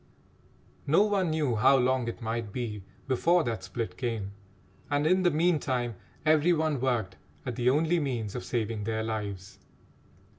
No one knew how long it might be before that split came, and in the meantime every one worked at the only means of saving their lives.